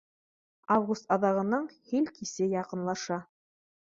Август аҙағының һил кисе яҡынлаша